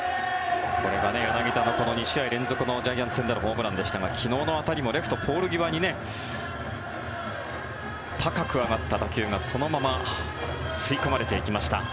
これが柳田の２試合連続のジャイアンツ戦でのホームランでしたが昨日の当たりもレフトポール際に高く上がった打球がそのまま吸い込まれていきました。